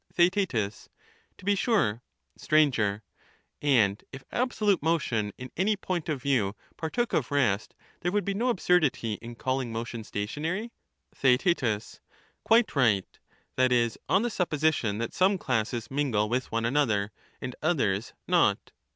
Theaet, To be sure. Str. And if absolute motion in any point of view partook of rest, there would be no absurdity in calling motion stationary. Theaet. Quite right, — that is, on the supposition that some classes mingle with one another, and others not.